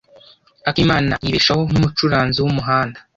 akimana yibeshaho nkumucuranzi wumuhanda.